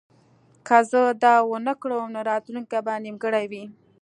که زه دا ونه کړم نو راتلونکی به نیمګړی وي